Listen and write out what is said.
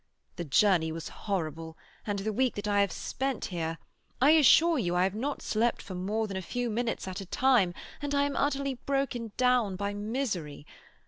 The journey was horrible, and the week that I have spent here—I assure you I have not slept for more than a few minutes at a time, and I am utterly broken down by misery.